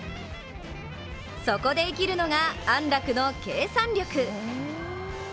そこで生きるのが、安楽の計算力。